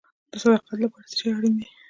د صداقت لپاره څه شی اړین دی؟